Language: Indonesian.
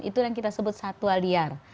itu yang kita sebut satwa liar